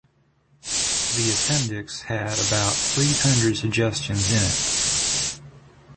The appendix had about three hundred suggestions in it.